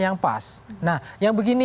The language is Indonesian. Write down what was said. yang pas nah yang begini